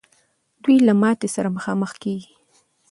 دوی له ماتي سره مخامخ کېږي.